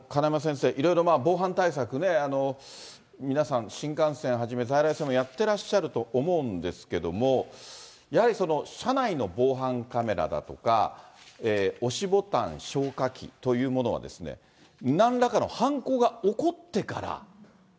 これ、金山先生、いろいろ防犯対策ね、皆さん、新幹線はじめ、在来線もやってらっしゃると思うんですけれども、やはりその車内の防犯カメラだとか、押しボタン、消火器というものは、なんらかの犯行が起こってから。